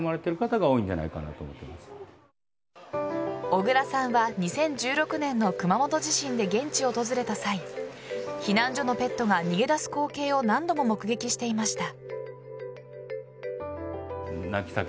小倉さんは２０１６年の熊本地震で現地を訪れた際避難所のペットが逃げ出す光景を何度も目撃していました。